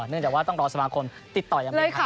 เนื่องจากว่าต้องรอสมาคมติดต่อยังไม่ทัน